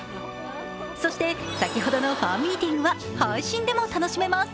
そして先ほどのファンミーティングは配信でも楽しめます。